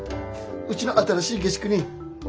うちの新しい下宿人。